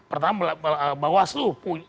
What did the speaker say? pertama bahwa asli